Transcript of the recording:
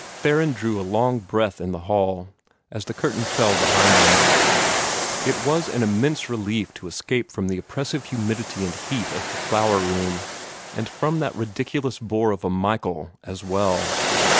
Theron drew a long breath in the hall, as the curtain fell behind him. It was an immense relief to escape from the oppressive humidity and heat of the flower room, and from that ridiculous bore of a Michael as well.